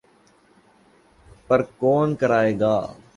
پر کون کرائے گا؟